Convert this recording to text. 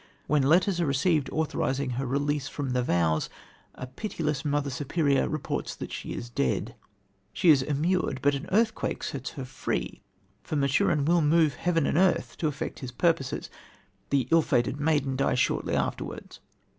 When letters are received authorising her release from the vows, a pitiless mother superior reports that she is dead. She is immured, but an earthquake sets her free, for Maturin will move heaven and earth to effect his purposes. The ill fated maiden dies shortly afterwards.